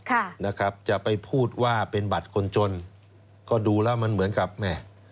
ค่ะนะครับจะไปพูดว่าเป็นบัตรคนจนก็ดูแล้วมันเหมือนกับแม่